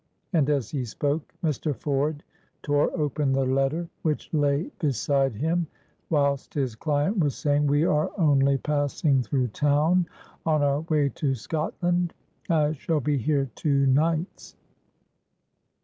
And, as he spoke, Mr. Ford tore open the letter which lay beside him, whilst his client was saying, "We are only passing through town on our way to Scotland. I shall be here two nights."